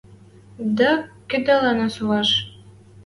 Дӓ кыдалына солаш...